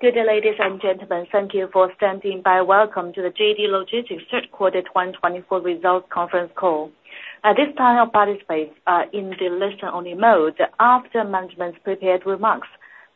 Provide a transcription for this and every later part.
Good day, ladies and gentlemen. Thank you for standing by. Welcome to the JD Logistics Q3 2024 Results Conference Call. At this time, I'll participate in the listen-only mode. After management's prepared remarks,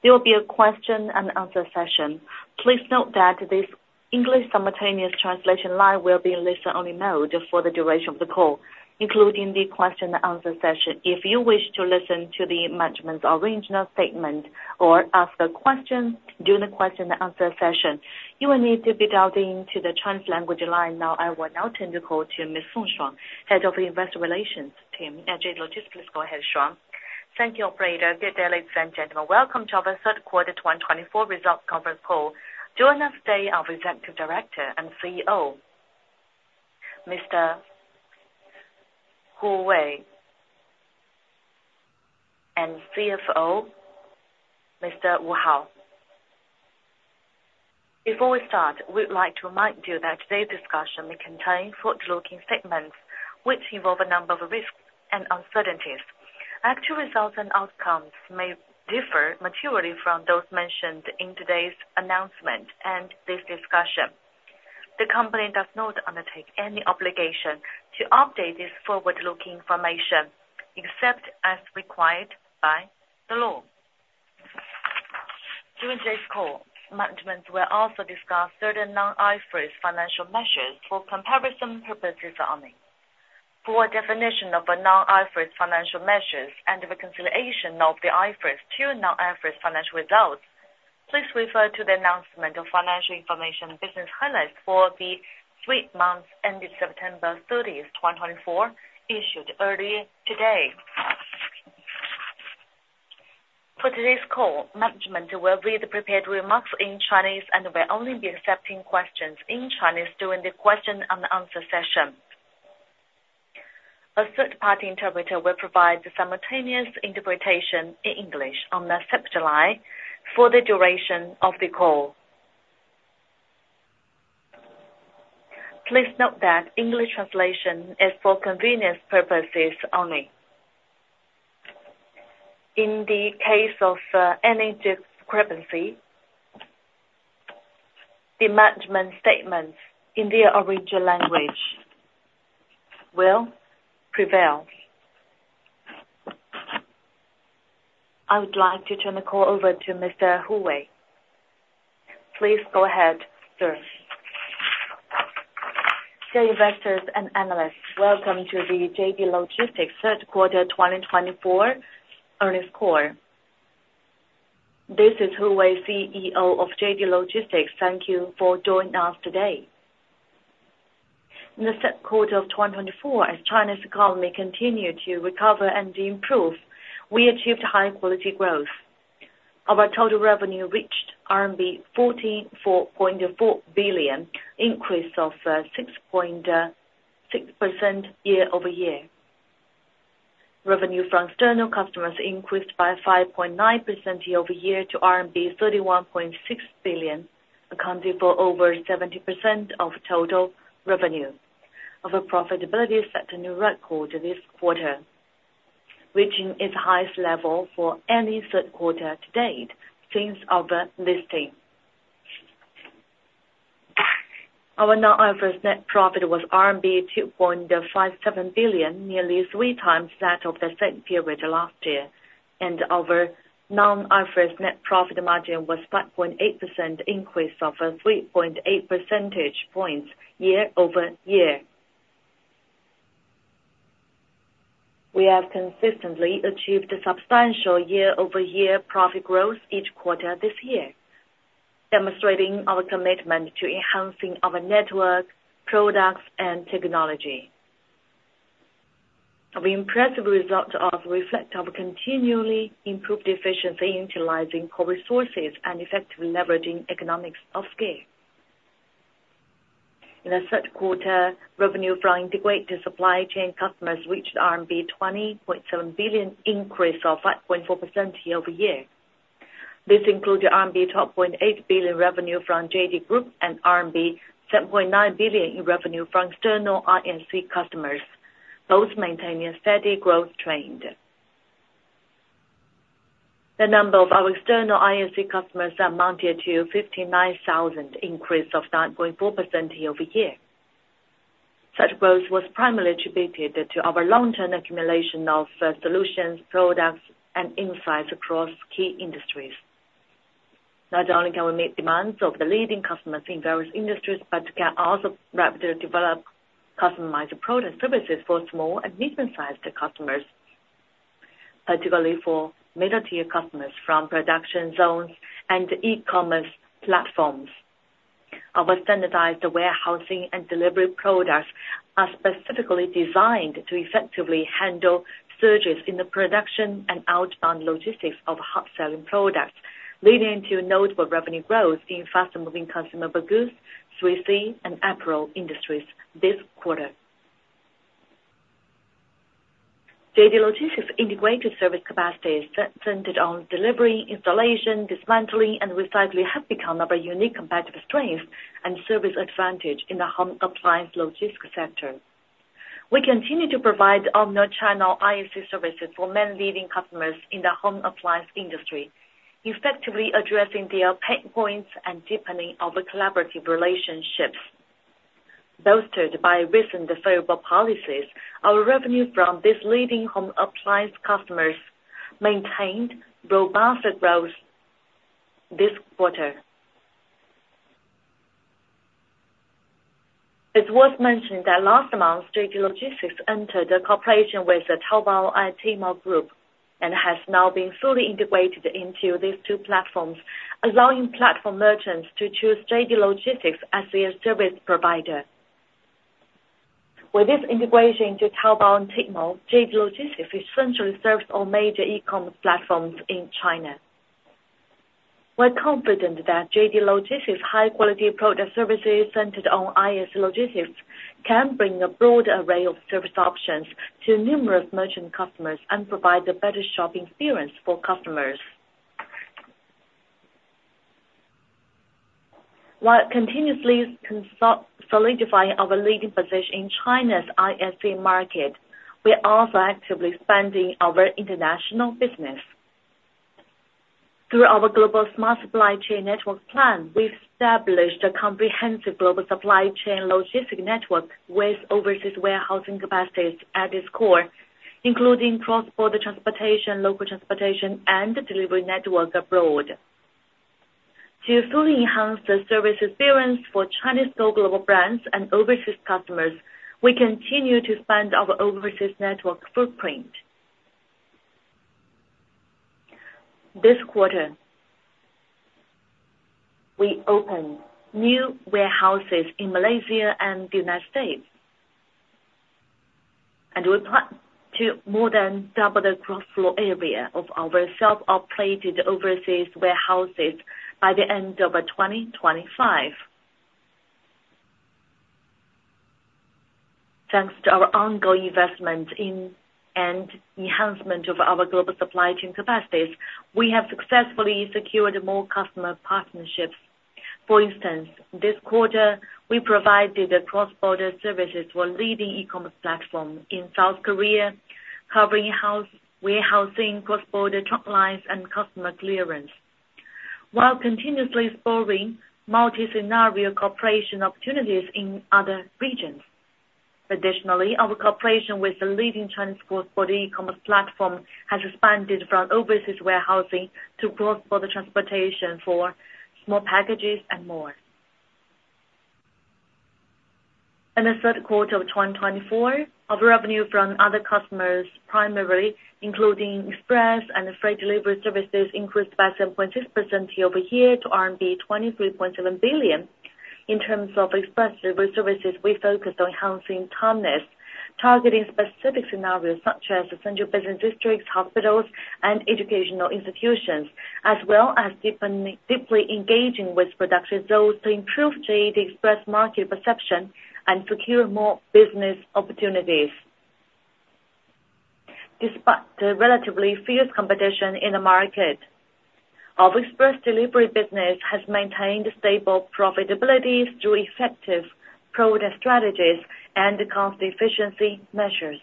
there will be a question-and-answer session. Please note that this English simultaneous translation line will be in listen-only mode for the duration of the call, including the question-and-answer session. If you wish to listen to the management's original statement or ask a question during the question-and-answer session, you will need to be dialed into the Chinese language line. Now, I will turn the call to Ms. Song Shuang, Head of Investor Relations at JD Logistics. Please go ahead, Shuang. Thank you, Operator. Good day, ladies and gentlemen. Welcome to our Q3 2024 Results Conference Call. Joining us today are our Executive Director and CEO, Mr. Hu Wei, and CFO, Mr. Wu Hao. Before we start, we'd like to remind you that today's discussion may contain forward-looking statements which involve a number of risks and uncertainties. Actual results and outcomes may differ materially from those mentioned in today's announcement and this discussion. The company does not undertake any obligation to update this forward-looking information except as required by the law. During today's call, management will also discuss certain Non-IFRS financial measures for comparison purposes only. For a definition of Non-IFRS financial measures and the reconciliation of the IFRS to Non-IFRS financial results, please refer to the announcement of financial information business highlights for the three months ending September 30th, 2024, issued earlier today. For today's call, management will read the prepared remarks in Chinese and will only be accepting questions in Chinese during the question-and-answer session. A third-party interpreter will provide the simultaneous interpretation in English on the second line for the duration of the call. Please note that English translation is for convenience purposes only. In the case of any discrepancy, the management statements in their original language will prevail. I would like to turn the call over to Mr. Hu Wei. Please go ahead, sir. Dear Investors and Analysts, Welcome to the JD Logistics Q3 2024 earnings call. This is Hu Wei, CEO of JD Logistics. Thank you for joining us today. In the Q3 of 2024, as China's economy continued to recover and improve, we achieved high-quality growth. Our total revenue reached RMB 44.4 billion, increased of 6.6% year-over-year. Revenue from external customers increased by 5.9% year-over-year to RMB 31.6 billion, accounting for over 70% of total revenue. Our profitability set a new record this quarter, reaching its highest level for any Q3 to date since our listing. Our non-IFRS net profit was RMB 2.57 billion, nearly three times that of the same period last year. Our non-IFRS net profit margin was 5.8%, increased of 3.8 percentage points year-over-year. We have consistently achieved substantial year-over-year profit growth each quarter this year, demonstrating our commitment to enhancing our network, products, and technology. Our impressive results reflect our continually improved efficiency in utilizing core resources and effectively leveraging economies of scale. In the Q3, revenue from integrated supply chain customers reached RMB 20.7 billion, increased of 5.4% year-over-year. This included RMB 12.8 billion revenue from JD Group and RMB 7.9 billion in revenue from external ISC customers, both maintaining a steady growth trend. The number of our external ISC customers amounted to 59,000, increased of 9.4% year-over-year. Such growth was primarily attributed to our long-term accumulation of solutions, products, and insights across key industries. Not only can we meet demands of the leading customers in various industries, but can also rapidly develop customized products and services for small and medium-sized customers, particularly for middle-tier customers from production zones and e-commerce platforms. Our standardized warehousing and delivery products are specifically designed to effectively handle surges in the production and outbound logistics of hot-selling products, leading to notable revenue growth in fast-moving consumer goods, 3C, and apparel industries this quarter. JD Logistics' integrated service capacity centered on delivery, installation, dismantling, and recycling have become our unique competitive strength and service advantage in the home appliance logistics sector. We continue to provide our omni-channel ISC services for many leading customers in the home appliance industry, effectively addressing their pain points and deepening our collaborative relationships. Boosted by recent favorable policies, our revenue from these leading home appliance customers maintained robust growth this quarter. It's worth mentioning that last month, JD Logistics entered a cooperation with the Taobao and Tmall Group and has now been fully integrated into these two platforms, allowing platform merchants to choose JD Logistics as their service provider. With this integration into Taobao and Tmall, JD Logistics essentially serves all major e-commerce platforms in China. We're confident that JD Logistics' high-quality product services centered on ISC logistics can bring a broader array of service options to numerous merchant customers and provide a better shopping experience for customers. While continuously solidifying our leading position in China's ISC market, we're also actively expanding our international business. Through our Global Smart Supply Chain Network plan, we've established a comprehensive global supply chain logistics network with overseas warehousing capacities at its core, including cross-border transportation, local transportation, and delivery network abroad. To fully enhance the service experience for Chinese go-global brands and overseas customers, we continue to expand our overseas network footprint. This quarter, we opened new warehouses in Malaysia and the United States, and we plan to more than double the gross floor area of our self-operated overseas warehouses by the end of 2025. Thanks to our ongoing investment and enhancement of our global supply chain capacities, we have successfully secured more customer partnerships. For instance, this quarter, we provided cross-border services for leading e-commerce platforms in South Korea, covering warehousing, cross-border truck lines, and customs clearance, while continuously exploring multi-scenario cooperation opportunities in other regions. Additionally, our cooperation with the leading Chinese cross-border e-commerce platform has expanded from overseas warehousing to cross-border transportation for small packages and more. In the Q3 of 2024, our revenue from other customers, primarily including express and freight delivery services, increased by 7.6% year-over-year to RMB 23.7 billion. In terms of express delivery services, we focused on enhancing timeliness, targeting specific scenarios such as essential business districts, hospitals, and educational institutions, as well as deeply engaging with production zones to improve JD Express market perception and secure more business opportunities. Despite the relatively fierce competition in the market, our express delivery business has maintained stable profitability through effective product strategies and cost-efficiency measures.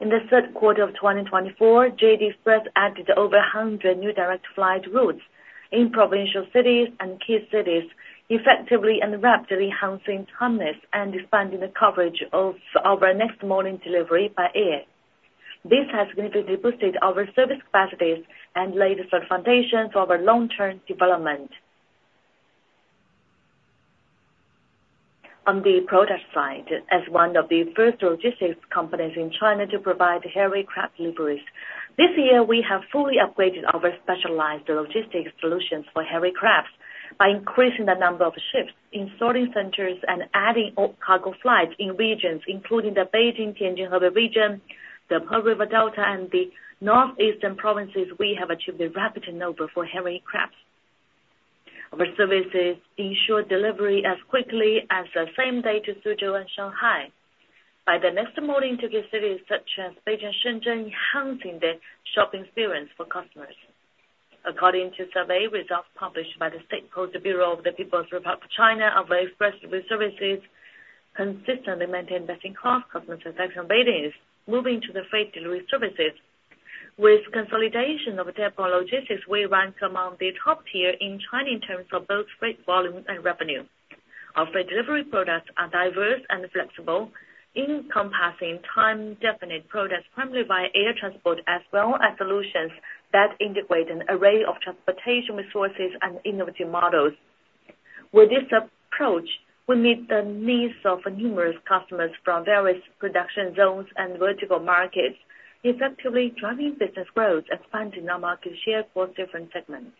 In the Q3 of 2024, JD Express added over 100 new direct flight routes in provincial cities and key cities, effectively and rapidly enhancing timeliness and expanding the coverage of our next morning delivery by air. This has significantly boosted our service capacities and laid the foundation for our long-term development. On the product side, as one of the first logistics companies in China to provide Hairy Crabs deliveries, this year we have fully upgraded our specialized logistics solutions for Hairy Crabs by increasing the number of shifts in sorting centers and adding cargo flights in regions including the Beijing-Tianjin-Hebei region, the Pearl River Delta, and the northeastern provinces. We have achieved a rapid turnover for Hairy Crabs. Our services ensure delivery as quickly as the same day to Suzhou and Shanghai. By the next morning, to key cities such as Beijing and Shenzhen, enhancing the shopping experience for customers. According to survey results published by the State Post Bureau of the People's Republic of China, our express delivery services consistently maintain best-in-class customer satisfaction ratings, moving to the freight delivery services. With consolidation of Taobao Logistics, we rank among the top tier in China in terms of both freight volume and revenue. Our freight delivery products are diverse and flexible, encompassing time-definite products primarily via air transport, as well as solutions that integrate an array of transportation resources and innovative models. With this approach, we meet the needs of numerous customers from various production zones and vertical markets, effectively driving business growth, expanding our market share for different segments.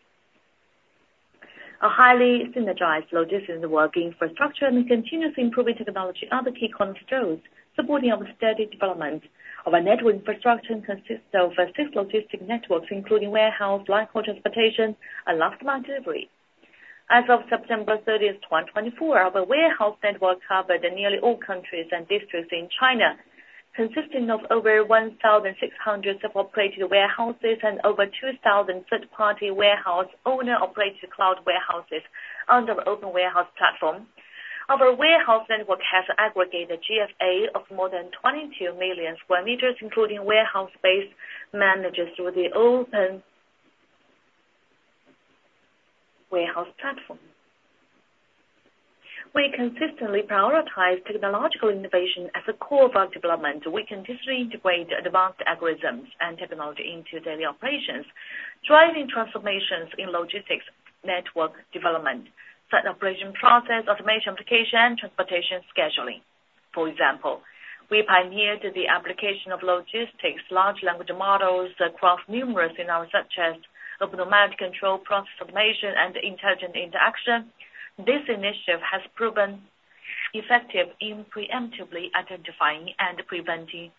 Our highly synergized logistics network infrastructure and continuously improving technology are the key cornerstones supporting our steady development. Our network infrastructure consists of six logistic networks, including warehouse, lighthouse transportation, and last-mile delivery. As of September 30th, 2024, our warehouse network covered nearly all countries and districts in China, consisting of over 1,600 self-operated warehouses and over 2,000 third-party warehouse owner-operated cloud warehouses under the open warehouse platform. Our warehouse network has aggregated a GFA of more than 22 million square meters, including warehouse space managed through the open warehouse platform. We consistently prioritize technological innovation as a core of our development. We continuously integrate advanced algorithms and technology into daily operations, driving transformations in logistics network development, site operation process, automation application, and transportation scheduling. For example, we pioneered the application of logistics large language models across numerous scenarios such as automatic control process automation and intelligent interaction. This initiative has proven effective in preemptively identifying and preventing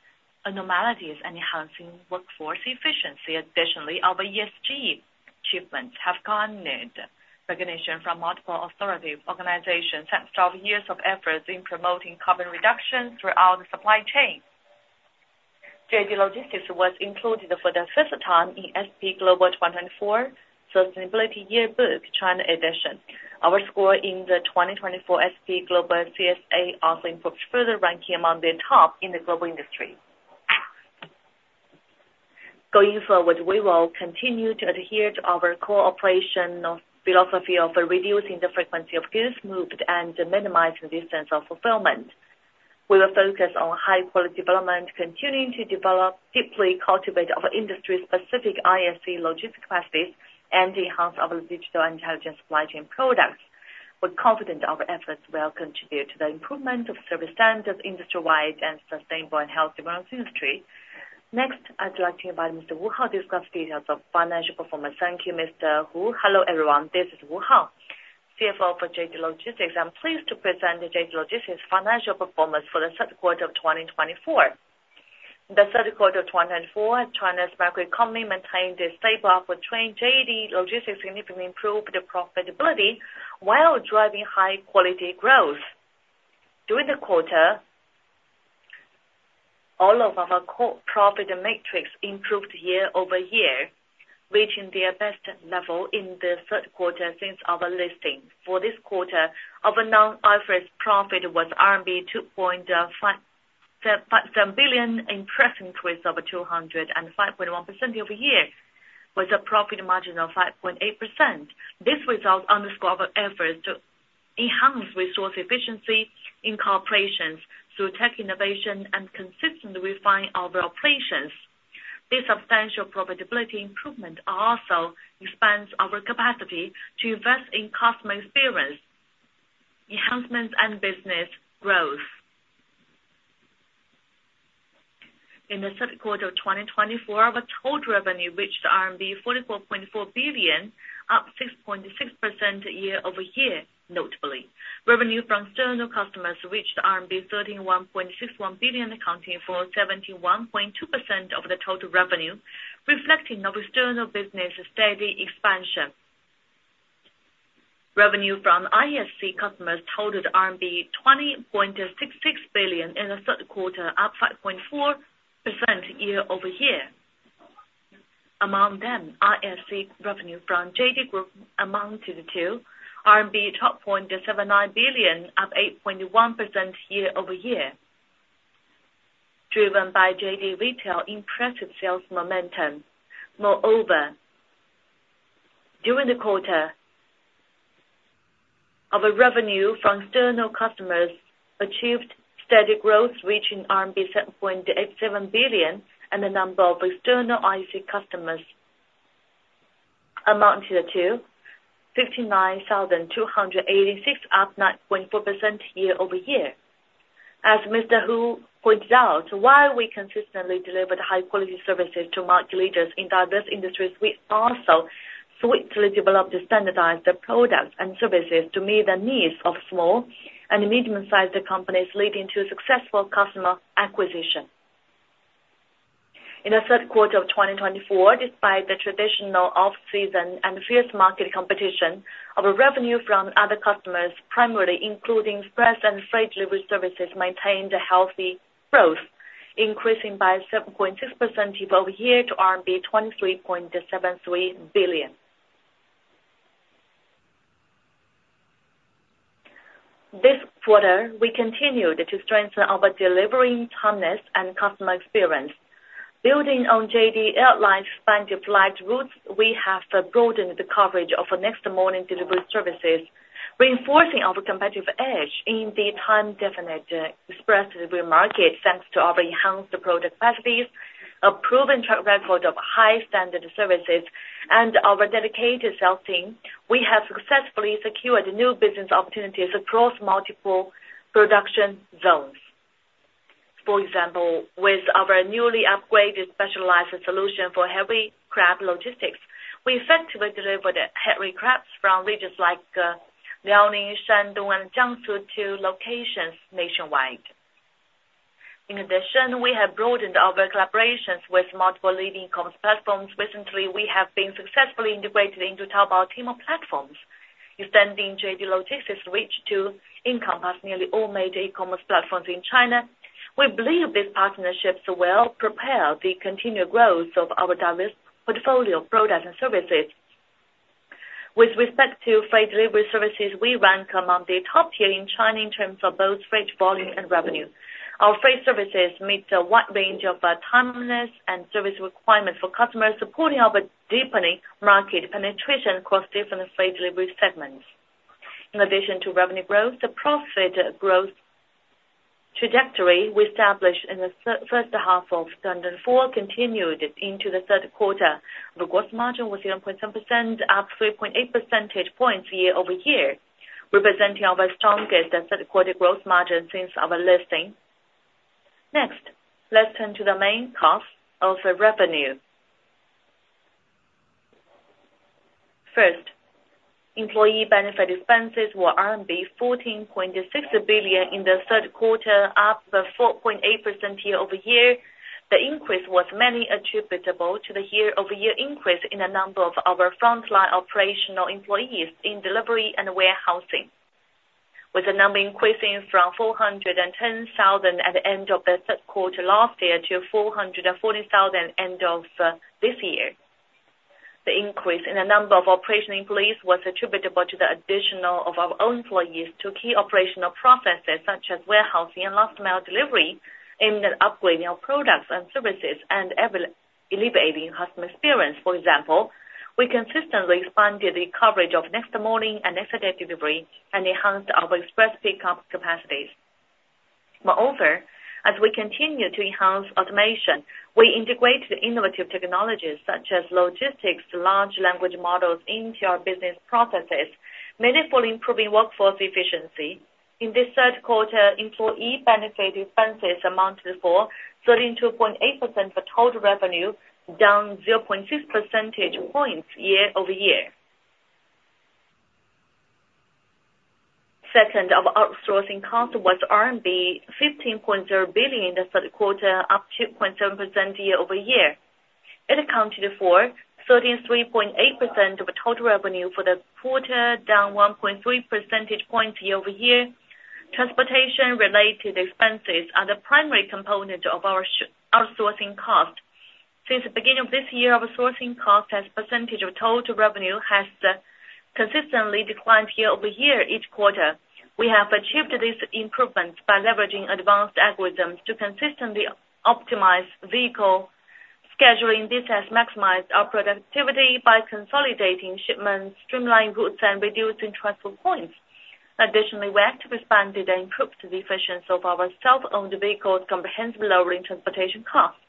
anomalies and enhancing workforce efficiency. Additionally, our ESG achievements have garnered recognition from multiple authoritative organizations and 12 years of efforts in promoting carbon reduction throughout the supply chain. JD Logistics was included for the fifth time in S&P Global 2024 Sustainability Yearbook China edition. Our score in the 2024 S&P Global CSA also improved further, ranking among the top in the global industry. Going forward, we will continue to adhere to our core operational philosophy of reducing the frequency of goods moved and minimizing the distance of fulfillment. We will focus on high-quality development, continuing to develop deeply cultivate our industry-specific ISC logistics capacities and enhance our digital intelligence supply chain products. We're confident our efforts will contribute to the improvement of service standards industry-wide and sustainable and healthy business industry. Next, I'd like to invite Mr. Wu Hao to discuss details of financial performance. Thank you, Mr. Hu. Hello everyone. This is Wu Hao, CFO for JD Logistics. I'm pleased to present JD Logistics' financial performance for the Q3 of 2024. In the Q3 of 2024, China's macroeconomy maintained a stable upward trend. JD Logistics significantly improved profitability while driving high-quality growth. During the quarter, all of our profit metrics improved year-over-year, reaching their best level in the Q3 since our listing. For this quarter, our non-IFRS profit was RMB 2.57 billion, an impressive increase of 205.1% year-over-year, with a profit margin of 5.8%. This result underscores our efforts to enhance resource efficiency in corporations through tech innovation and consistently refine our operations. This substantial profitability improvement also expands our capacity to invest in customer experience enhancements and business growth. In the Q3 of 2024, our total revenue reached RMB 44.4 billion, up 6.6% year-over-year, notably. Revenue from external customers reached RMB 31.61 billion, accounting for 71.2% of the total revenue, reflecting our external business' steady expansion. Revenue from ISC customers totaled RMB 20.66 billion in the Q3, up 5.4% year-over-year. Among them, ISC revenue from JD Group amounted to RMB 12.79 billion, up 8.1% year-over-year, driven by JD Retail's impressive sales momentum. Moreover, during the quarter, our revenue from external customers achieved steady growth, reaching RMB 7.87 billion, and the number of external ISC customers amounted to 59,286, up 9.4% year-over-year. As Mr. Hu points out, while we consistently delivered high-quality services to market leaders in diverse industries, we also swiftly developed and standardized the products and services to meet the needs of small and medium-sized companies, leading to successful customer acquisition. In the Q3 of 2024, despite the traditional off-season and fierce market competition, our revenue from other customers, primarily including express and freight delivery services, maintained a healthy growth, increasing by 7.6% year-over-year to RMB 23.73 billion. This quarter, we continued to strengthen our delivery timeliness and customer experience. Building on JD Airlines' expanded flight routes, we have broadened the coverage of our next morning delivery services, reinforcing our competitive edge in the time-definite express delivery market. Thanks to our enhanced product capacities, a proven track record of high-standard services, and our dedicated sales team, we have successfully secured new business opportunities across multiple production zones. For example, with our newly upgraded specialized solution for Hairy Crabs logistics, we effectively delivered Hairy Crabs from regions like Liaoning, Shandong, and Jiangsu to locations nationwide. In addition, we have broadened our collaborations with multiple leading e-commerce platforms. Recently, we have been successfully integrated into Taobao and Tmall platforms, extending JD Logistics' reach to encompass nearly all major e-commerce platforms in China. We believe these partnerships will propel the continued growth of our diverse portfolio of products and services. With respect to freight delivery services, we rank among the top tier in China in terms of both freight volume and revenue. Our freight services meet a wide range of timeliness and service requirements for customers, supporting our deepening market penetration across different freight delivery segments. In addition to revenue growth, the profit growth trajectory we established in the first half of 2024 continued into the Q3. The gross margin was 0.7%, up 3.8 percentage points year-over-year, representing our strongest Q3 gross margin since our listing. Next, let's turn to the main cost of revenue. First, employee benefit expenses were 14.6 billion in the Q3, up 4.8% year-over-year. The increase was mainly attributable to the year-over-year increase in the number of our frontline operational employees in delivery and warehousing, with the number increasing from 410,000 at the end of the Q3 last year to 440,000 at the end of this year. The increase in the number of operational employees was attributable to the addition of our own employees to key operational processes such as warehousing and last-mile delivery, aimed at upgrading our products and services and elevating customer experience. For example, we consistently expanded the coverage of next morning and next day delivery and enhanced our express pickup capacities. Moreover, as we continue to enhance automation, we integrated innovative technologies such as logistics large language models into our business processes, meaningfully improving workforce efficiency. In this Q3, employee benefit expenses amounted to 32.8% of total revenue, down 0.6 percentage points year-over-year. Second, our outsourcing cost was RMB 15.0 billion in the Q3, up 2.7% year-over-year. It accounted for 33.8% of total revenue for the quarter, down 1.3 percentage points year-over-year. Transportation-related expenses are the primary component of our outsourcing cost. Since the beginning of this year, our outsourcing cost as a percentage of total revenue has consistently declined year-over-year each quarter. We have achieved this improvement by leveraging advanced algorithms to consistently optimize vehicle scheduling. This has maximized our productivity by consolidating shipments, streamlining routes, and reducing transfer points. Additionally, we actively expanded and improved the efficiency of our self-owned vehicles comprehensively, lowering transportation costs.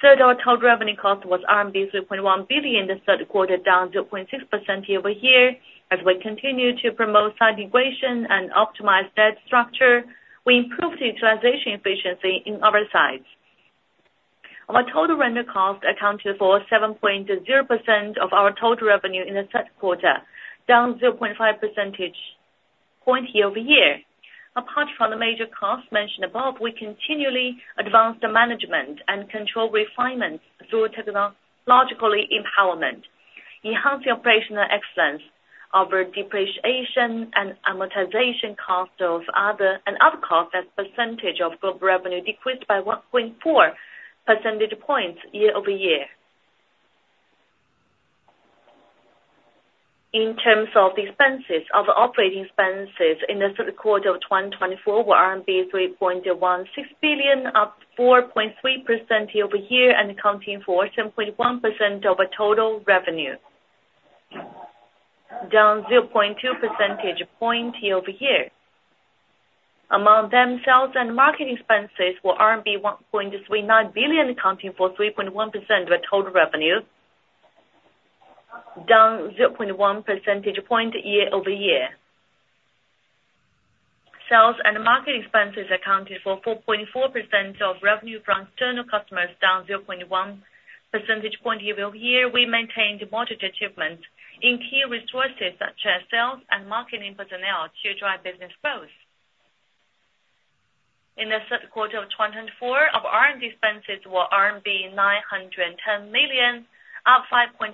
Third, our rental cost was RMB 3.1 billion in the Q3, down 0.6% year-over-year. As we continue to promote site integration and optimize debt structure, we improved the utilization efficiency in oversight. Our total rental cost accounted for 7.0% of our total revenue in the Q3, down 0.5 percentage points year-over-year. Apart from the major costs mentioned above, we continually advanced management and controlled refinements through technological empowerment, enhancing operational excellence. Our depreciation and amortization costs and other costs as a percentage of global revenue decreased by 1.4 percentage points year-over-year. In terms of expenses, our operating expenses in the Q3 of 2024 were RMB 3.16 billion, up 4.3% year-over-year, and accounting for 7.1% of our total revenue, down 0.2 percentage points year-over-year. Among them, sales and market expenses were RMB 1.39 billion, accounting for 3.1% of our total revenue, down 0.1 percentage points year-over-year. Sales and market expenses accounted for 4.4% of revenue from external customers, down 0.1 percentage points year-over-year. We maintained moderate achievements in key resources such as sales and marketing personnel to drive business growth. In the Q3 of 2024, our R&D expenses were RMB 910 million, up 5.3%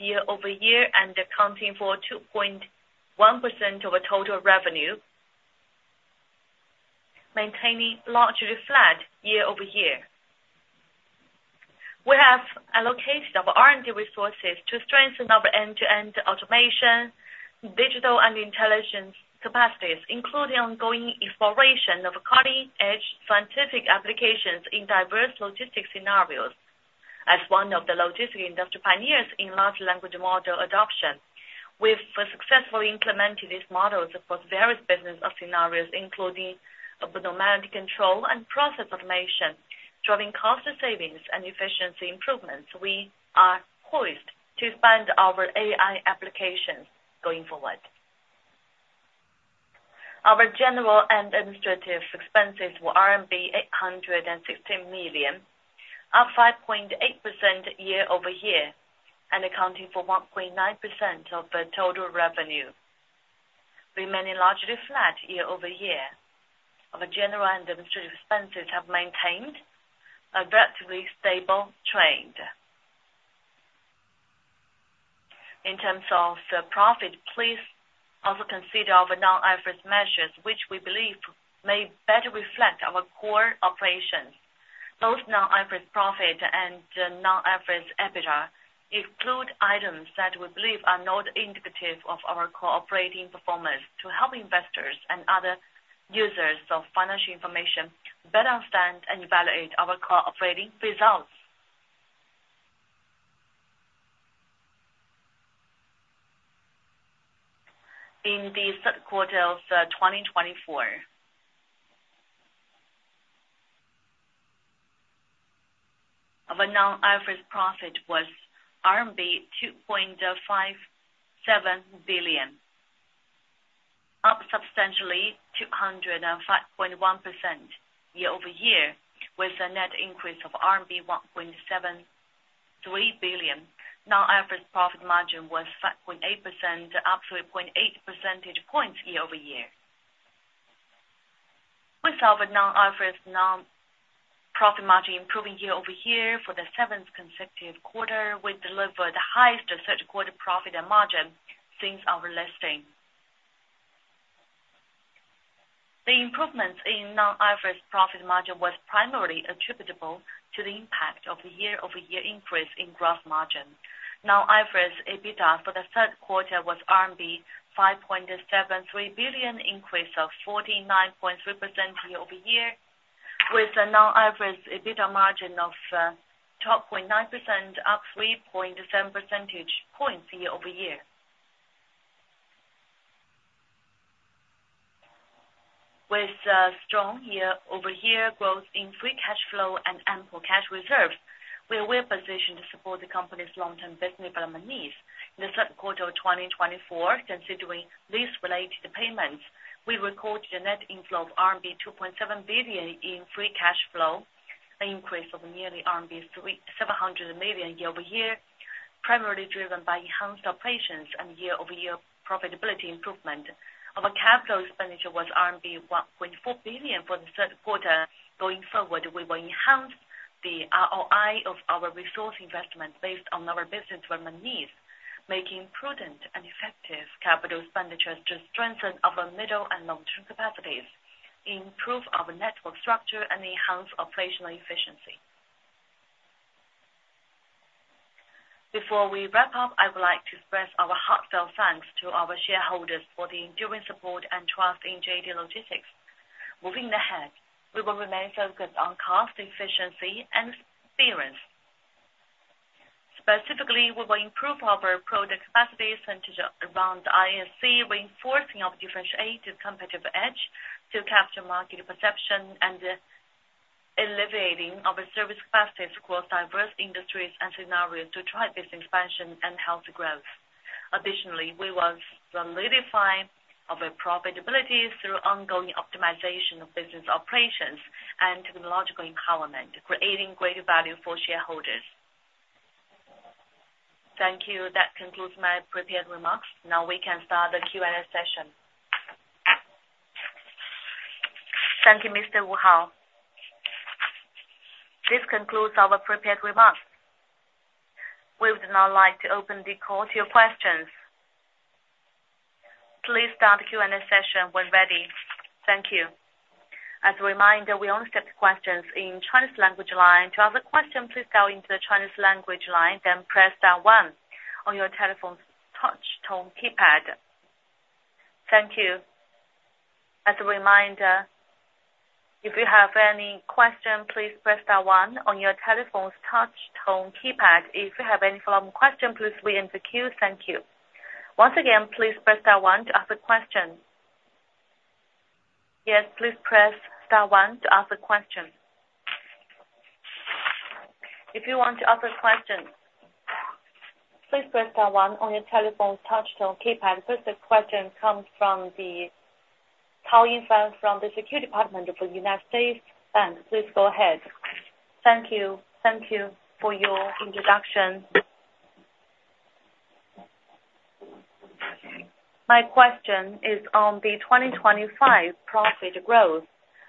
year-over-year, and accounting for 2.1% of our total revenue, maintaining largely flat year-over-year. We have allocated our R&D resources to strengthen our end-to-end automation, digital, and intelligence capacities, including ongoing exploration of cutting-edge scientific applications in diverse logistics scenarios. As one of the logistics industry pioneers in large language model adoption, we've successfully implemented these models across various business scenarios, including anomaly control and process automation, driving cost savings and efficiency improvements. We are poised to expand our AI applications going forward. Our general and administrative expenses were RMB 816 million, up 5.8% year-over-year, and accounting for 1.9% of total revenue. Remaining largely flat year-over-year, our general and administrative expenses have maintained a relatively stable trend. In terms of profit, please also consider our non-IFRS measures, which we believe may better reflect our core operations. Both non-IFRS profit and non-IFRS EBITDA include items that we believe are not indicative of our core operating performance to help investors and other users of financial information better understand and evaluate our core operating results. In the Q3 of 2024, our non-IFRS profit was RMB 2.57 billion, up substantially 205.1% year-over-year, with a net increase of RMB 1.73 billion. Non-IFRS profit margin was 5.8%, up 3.8 percentage points year-over-year. With our non-IFRS net profit margin improving year-over-year for the seventh consecutive quarter, we delivered the highest Q3 profit and margin since our listing. The improvements in non-IFRS net profit margin were primarily attributable to the impact of the year-over-year increase in gross margin. Non-IFRS EBITDA for the Q3 was RMB 5.73 billion, an increase of 49.3% year-over-year, with a non-IFRS EBITDA margin of 12.9%, up 3.7 percentage points year-over-year. With strong year-over-year growth in free cash flow and ample cash reserves, we are well positioned to support the company's long-term business development needs. In the Q3 of 2024, considering lease-related payments, we recorded a net inflow of RMB 2.7 billion in free cash flow, an increase of nearly RMB 700 million year-over-year, primarily driven by enhanced operations and year-over-year profitability improvement. Our capital expenditure was RMB 1.4 billion for the Q3. Going forward, we will enhance the ROI of our resource investment based on our business development needs, making prudent and effective capital expenditures to strengthen our mid- and long-term capacities, improve our network structure, and enhance operational efficiency. Before we wrap up, I would like to express our heartfelt thanks to our shareholders for the enduring support and trust in JD Logistics. Moving ahead, we will remain focused on cost efficiency and experience. Specifically, we will improve our product capacity percentage around ISC, reinforcing our differential advantage to the competitive edge to capture market penetration and elevating our service capacities across diverse industries and scenarios to drive business expansion and healthy growth. Additionally, we will solidify our profitability through ongoing optimization of business operations and technological empowerment, creating greater value for shareholders. Thank you. That concludes my prepared remarks. Now we can start the Q&A session. Thank you, Mr. Wu Hao. This concludes our prepared remarks. We would now like to open the call to your questions. Please start the Q&A session when ready. Thank you. As a reminder, we only accept questions in Chinese language line. To ask a question, please dial into the Chinese language line, then press star one on your telephone's touch-tone keypad. Thank you. As a reminder, if you have any questions, please press star one on your telephone's touch-tone keypad. If you have any follow-up questions, please wait in the queue. Thank you. Once again, please press star one to ask a question. Yes, please press star one to ask a question. If you want to ask a question, please press star one on your telephone's touch-tone keypad. First, the question comes from Tao Feng from the Securities Department of the United States Bank. Please go ahead. Thank you. Thank you for your introduction. My question is on the 2025 profit growth.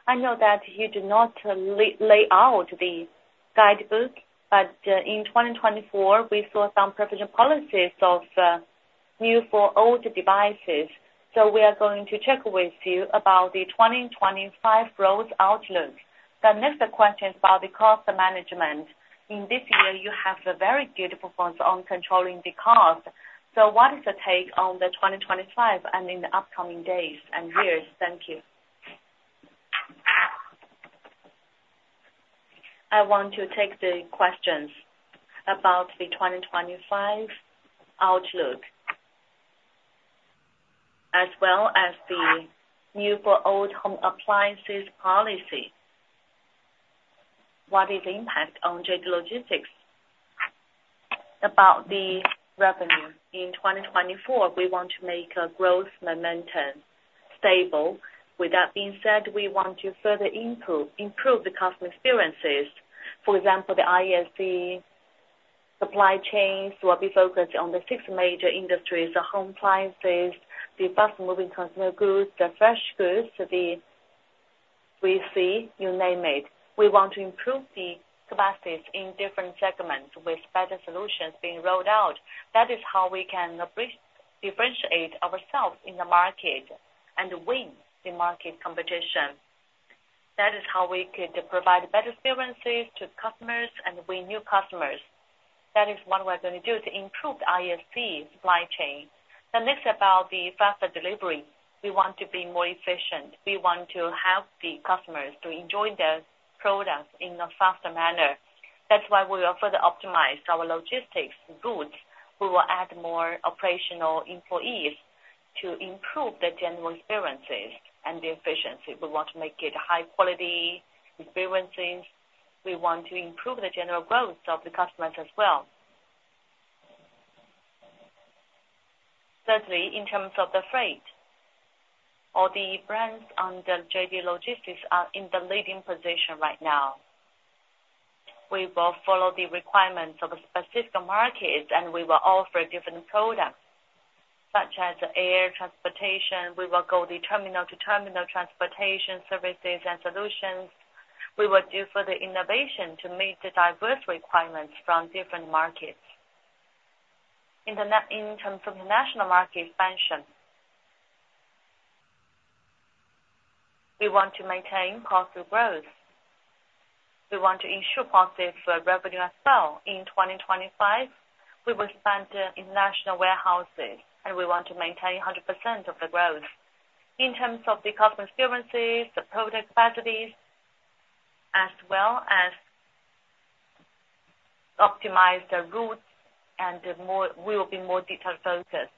I know that you did not lay out the guidance, but in 2024, we saw some provisional policies of new for old devices. So we are going to check with you about the 2025 growth outlook. The next question is about the cost management. In this year, you have a very good performance on controlling the cost. So what is the take on the 2025 and in the upcoming days and years? Thank you. I want to take the questions about the 2025 outlook, as well as the new for old home appliances policy. What is the impact on JD Logistics about the revenue? In 2024, we want to make growth momentum stable. With that being said, we want to further improve the customer experiences. For example, the ISC supply chains will be focused on the six major industries: the home appliances, the fast-moving consumer goods, the fresh goods, the 3C, you name it. We want to improve the capacities in different segments, with better solutions being rolled out. That is how we can differentiate ourselves in the market and win the market competition. That is how we could provide better experiences to customers and win new customers. That is what we're going to do to improve the ISC supply chain. The next about the faster delivery. We want to be more efficient. We want to help the customers to enjoy the products in a faster manner. That's why we will further optimize our logistics goods. We will add more operational employees to improve the general experiences and the efficiency. We want to make it high-quality experiences. We want to improve the general growth of the customers as well. Thirdly, in terms of the freight, all the brands under JD Logistics are in the leading position right now. We will follow the requirements of specific markets, and we will offer different products such as air transportation. We will go the terminal-to-terminal transportation services and solutions. We will do further innovation to meet the diverse requirements from different markets. In terms of the national market expansion, we want to maintain positive growth. We want to ensure positive revenue as well. In 2025, we will expand international warehouses, and we want to maintain 100% of the growth. In terms of the customer experiences, the product capacities, as well as optimize the routes, and we will be more detail-focused.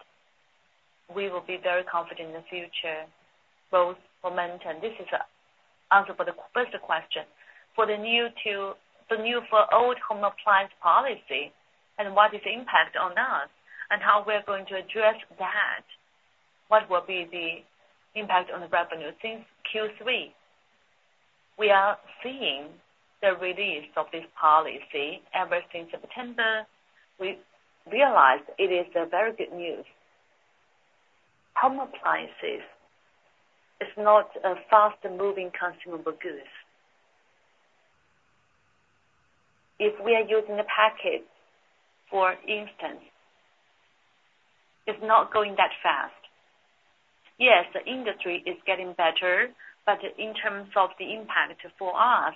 We will be very confident in the future, both momentum. This is the answer for the first question. For the new for old home appliance policy, and what is the impact on us, and how we're going to address that? What will be the impact on the revenue since Q3? We are seeing the release of this policy ever since September. We realize it is very good news. Home appliances are not fast-moving consumable goods. If we are using a packet, for instance, it's not going that fast. Yes, the industry is getting better, but in terms of the impact for us,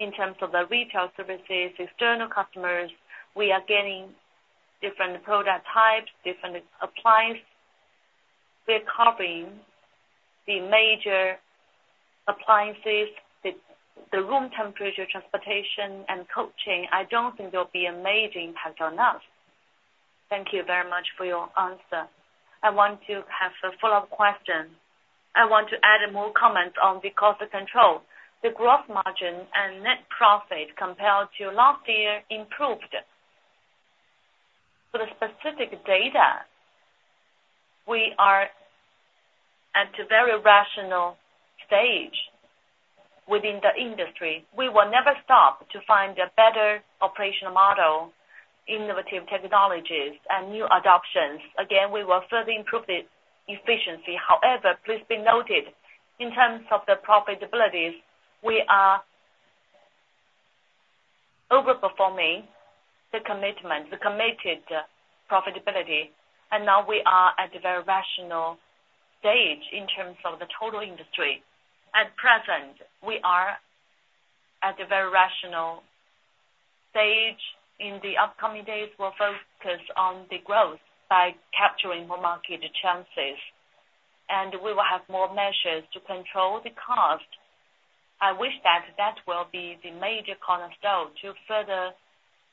in terms of the retail services, external customers, we are getting different product types, different appliances. We're covering the major appliances, the room temperature transportation, and cold chain. I don't think there will be a major impact on us. Thank you very much for your answer. I want to have a follow-up question. I want to add more comments on the cost control. The gross margin and net profit compared to last year improved. For the specific data, we are at a very rational stage within the industry. We will never stop to find a better operational model, innovative technologies, and new adoptions. Again, we will further improve the efficiency. However, please be noted, in terms of the profitabilities, we are overperforming the commitment, the committed profitability, and now we are at a very rational stage in terms of the total industry. At present, we are at a very rational stage. In the upcoming days, we'll focus on the growth by capturing more market chances, and we will have more measures to control the cost. I wish that that will be the major cornerstone to further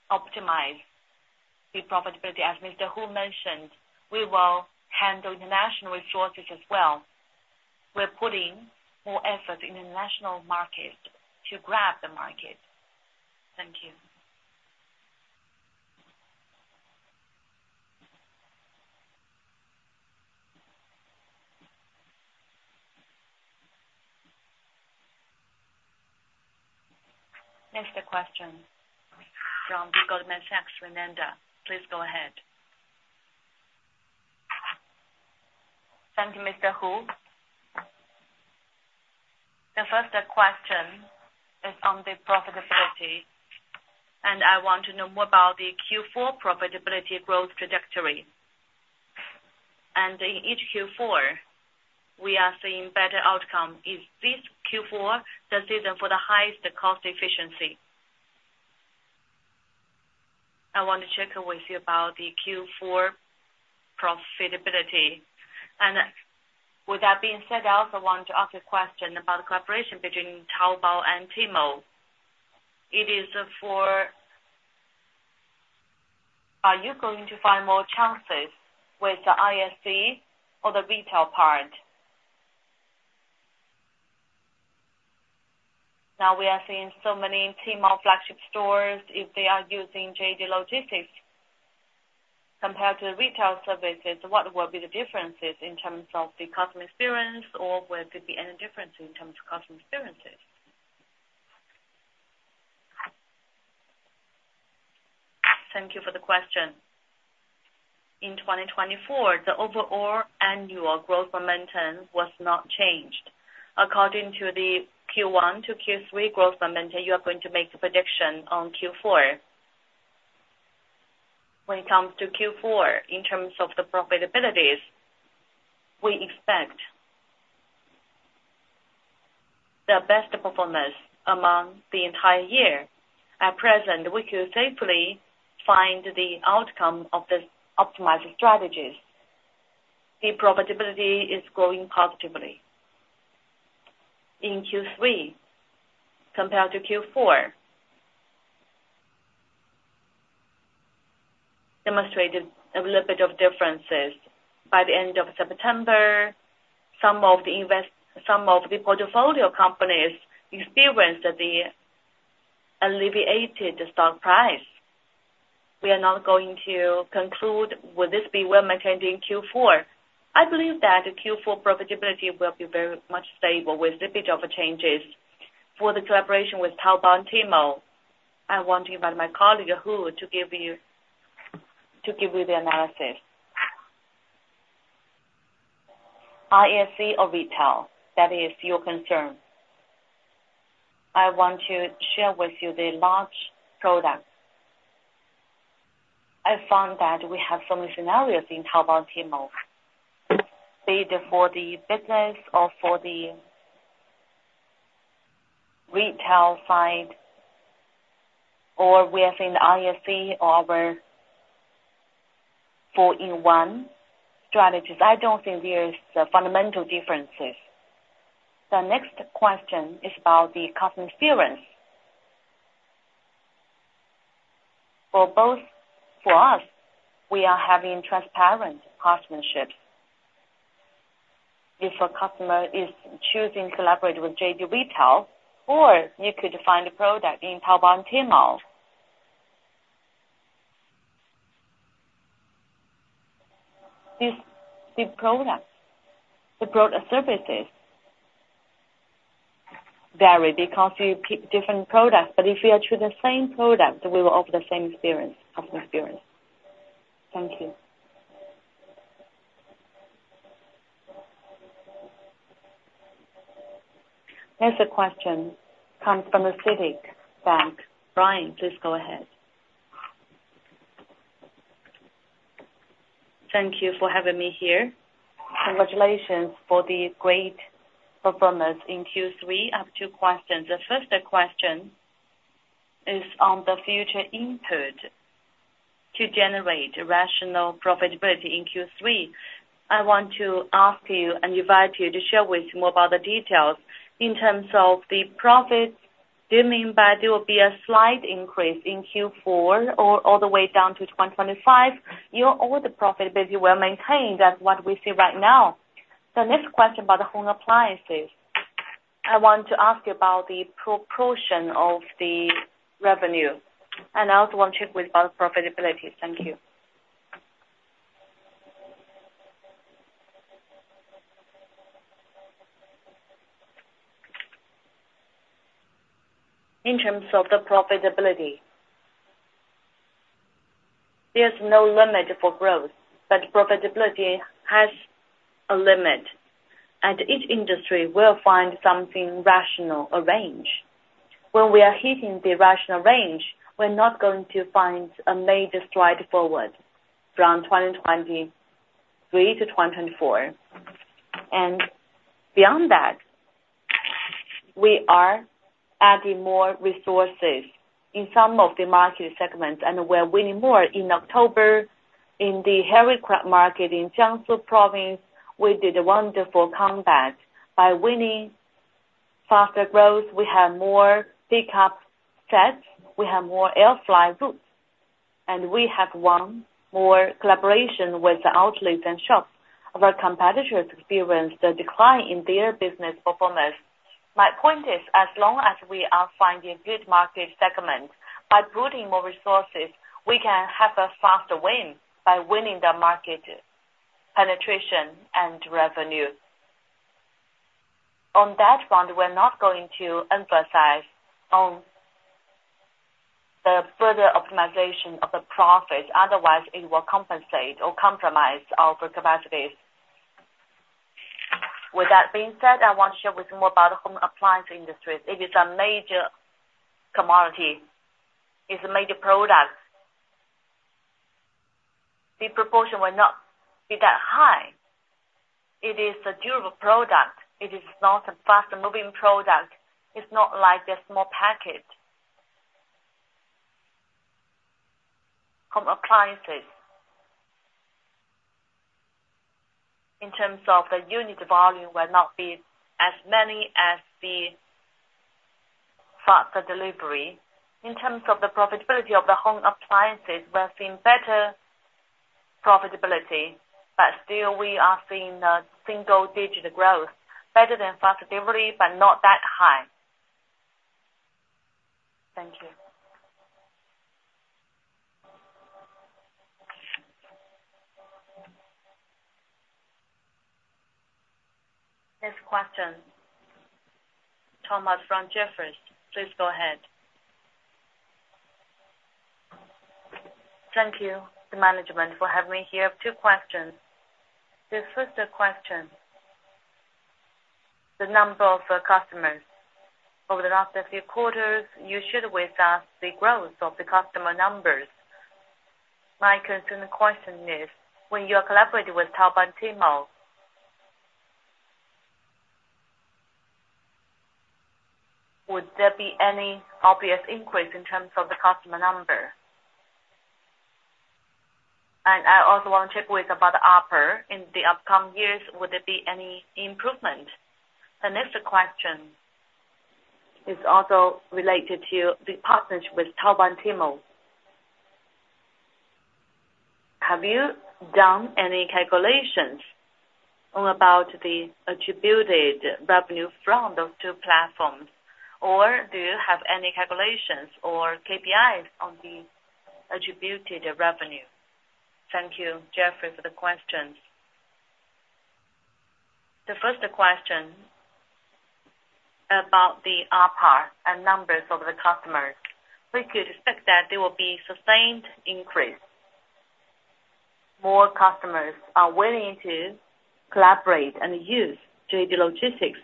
optimize the profitability. As Mr. Hu mentioned, we will handle international resources as well. We're putting more effort in the national market to grab the market. Thank you. Next question from the Goldman Sachs Renenda. Please go ahead. Thank you, Mr. Hu. The first question is on the profitability, and I want to know more about the Q4 profitability growth trajectory. And in each Q4, we are seeing better outcomes. Is this Q4 the season for the highest cost efficiency? I want to check with you about the Q4 profitability. And with that being said, I also want to ask a question about the cooperation between Taobao and Tmall. It is for, are you going to find more chances with the ISC or the retail part? Now we are seeing so many Tmall flagship stores; if they are using JD Logistics compared to retail services, what will be the differences in terms of the customer experience, or will there be any differences in terms of customer experiences? Thank you for the question. In 2024, the overall annual growth momentum was not changed. According to the Q1 to Q3 growth momentum, you are going to make a prediction on Q4. When it comes to Q4, in terms of the profitabilities, we expect the best performance among the entire year. At present, we could safely find the outcome of the optimized strategies. The profitability is growing positively. In Q3, compared to Q4, demonstrated a little bit of differences. By the end of September, some of the portfolio companies experienced the alleviated stock price. We are now going to conclude: will this be well maintained in Q4? I believe that Q4 profitability will be very much stable with little bit of changes. For the collaboration with Taobao and Tmall, I want to invite my colleague Hu to give you the analysis. ISC or retail, that is your concern. I want to share with you the large product. I found that we have so many scenarios in Taobao and Tmall. Be it for the business or for the retail side, or we are seeing the ISC or our four-in-one strategies. I don't think there are fundamental differences. The next question is about the customer experience. For us, we are having transparent customerships. If a customer is choosing to collaborate with JD Retail, or you could find a product in Taobao and Tmall, the product, the product services vary because you pick different products. But if you are choosing the same product, we will offer the same experience, customer experience. Thank you. Next question comes from CITIC Bank. Ryan, please go ahead. Thank you for having me here. Congratulations for the great performance in Q3. I have two questions. The first question is on the future input to generate rational profitability in Q3. I want to ask you and invite you to share with me more about the details. In terms of the profit, do you mean that there will be a slight increase in Q4 or all the way down to 2025? Your order profitability will maintain. That's what we see right now. The next question about the home appliances. I want to ask you about the proportion of the revenue, and I also want to check with you about the profitability. Thank you. In terms of the profitability, there's no limit for growth, but profitability has a limit. At each industry, we'll find something rational or range. When we are hitting the rational range, we're not going to find a major stride forward from 2023 to 2024. Beyond that, we are adding more resources in some of the market segments, and we're winning more in October. In the hairy crab market in Jiangsu Province, we did a wonderful comeback by winning faster growth. We have more pickup sets. We have more air-fly routes. We have won more collaboration with the outlets and shops. Our competitors experienced a decline in their business performance. My point is, as long as we are finding good market segments, by putting more resources, we can have a faster win by winning the market penetration and revenue. On that front, we're not going to emphasize on the further optimization of the profits. Otherwise, it will compensate or compromise our capacities. With that being said, I want to share with you more about the home appliance industry. It is a major commodity. It's a major product. The proportion will not be that high. It is a durable product. It is not a fast-moving product. It's not like the small packet home appliances. In terms of the unit volume, will not be as many as the faster delivery. In terms of the profitability of the home appliances, we're seeing better profitability, but still we are seeing a single-digit growth, better than faster delivery, but not that high. Thank you. Next question, Thomas from Jefferies. Please go ahead. Thank you, the management, for having me here. Two questions. The first question, the number of customers. Over the last few quarters, you shared with us the growth of the customer numbers. My concerning question is, when you are collaborating with Taobao and Tmall, would there be any obvious increase in terms of the customer number? And I also want to check with you about the upper. In the upcoming years, would there be any improvement? The next question is also related to the partnership with Taobao and Tmall. Have you done any calculations about the attributed revenue from those two platforms, or do you have any calculations or KPIs on the attributed revenue? Thank you, Jefferies, for the questions. The first question about the number of customers. We could expect that there will be a sustained increase. More customers are willing to collaborate and use JD Logistics.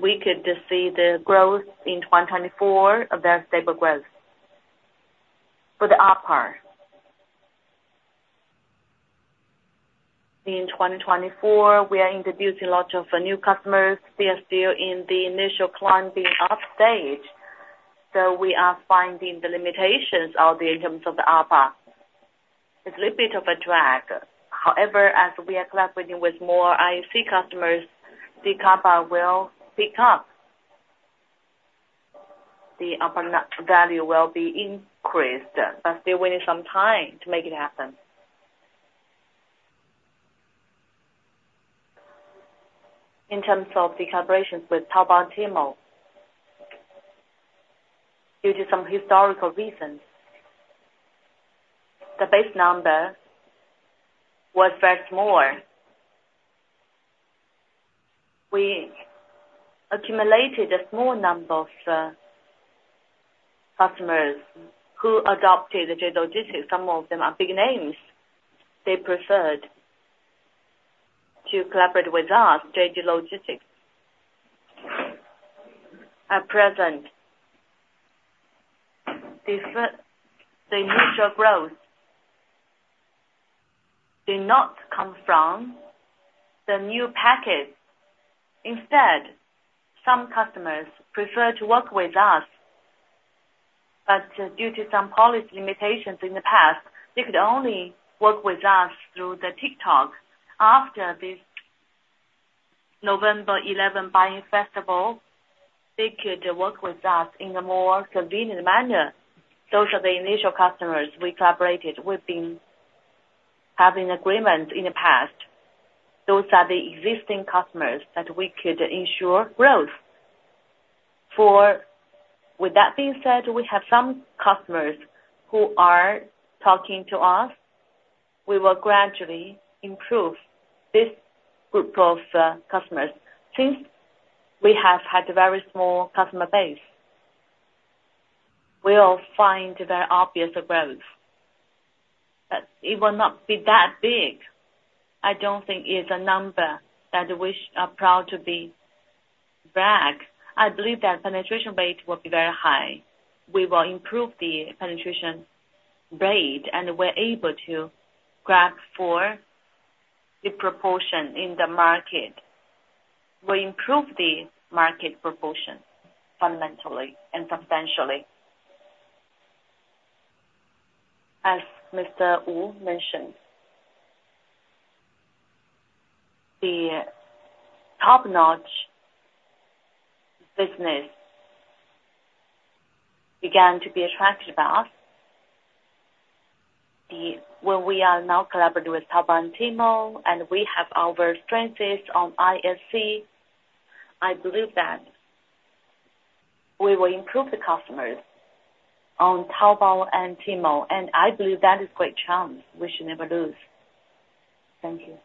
We could see the growth in 2024, a very stable growth. For the number, in 2024, we are introducing lots of new customers. They are still in the initial onboarding stage, so we are finding the limitations in terms of the number. It's a little bit of a drag. However, as we are collaborating with more ISC customers, the uptake will pick up. The uptake value will be increased, but still we need some time to make it happen. In terms of the collaborations with Taobao and Tmall, due to some historical reasons, the base number was very small. We accumulated a small number of customers who adopted JD Logistics. Some of them are big names. They preferred to collaborate with us, JD Logistics. At present, the initial growth did not come from the new package. Instead, some customers preferred to work with us, but due to some policy limitations in the past, they could only work with us through the TikTok. After this 11/11 Buying Festival, they could work with us in a more convenient manner. Those are the initial customers we collaborated with. We've been having agreements in the past. Those are the existing customers that we could ensure growth. With that being said, we have some customers who are talking to us. We will gradually improve this group of customers. Since we have had a very small customer base, we'll find very obvious growth. But it will not be that big. I don't think it's a number that we are proud to brag. I believe that penetration rate will be very high. We will improve the penetration rate, and we're able to grab for the proportion in the market. We'll improve the market proportion fundamentally and substantially. As Mr. Wu mentioned, the top-notch business began to be attracted by us. When we are now collaborating with Taobao and Tmall, and we have our strengths on ISC, I believe that we will improve the customers on Taobao and Tmall. I believe that is a great chance we should never lose. Thank you.